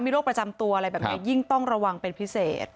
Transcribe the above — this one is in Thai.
โรคประจำตัวอะไรแบบนี้ยิ่งต้องระวังเป็นพิเศษ